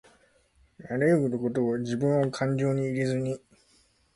あらゆることをじぶんをかんじょうに入れずに